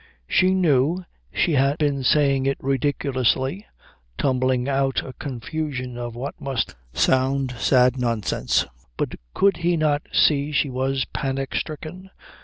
She knew she had been saying it ridiculously, tumbling out a confusion of what must sound sad nonsense, but could he not see she was panic stricken?